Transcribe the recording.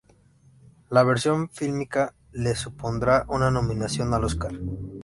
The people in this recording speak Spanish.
La versión fílmica le supondrá una nominación al Oscar.